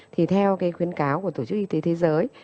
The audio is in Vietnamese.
thì theo cái khuyến cáo của tổ chức y tế thế giới